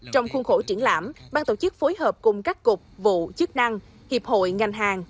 trong khuôn khổ triển lãm ban tổ chức phối hợp cùng các cục vụ chức năng hiệp hội ngành hàng